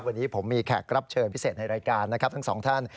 วันนี้ผมมีแขกรับเชิญพิเศษในรายการนะครับทั้งสองท่าน